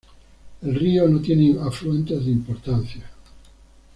El río no tiene afluentes de importancia.